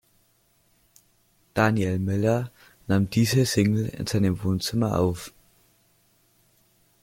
Daniel Miller nahm diese Single in seinem Wohnzimmer auf.